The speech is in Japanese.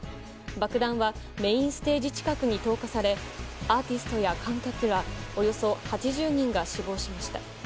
爆弾は、メインステージ近くに投下され、アーティストや観客らおよそ８０人が死亡しました。